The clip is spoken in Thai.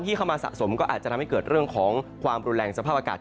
เข้ามาสะสมก็อาจจะทำให้เกิดเรื่องของความรุนแรงสภาพอากาศ